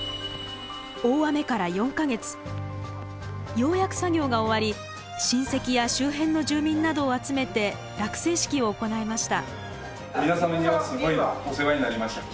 ようやく作業が終わり親戚や周辺の住民などを集めて落成式を行いました。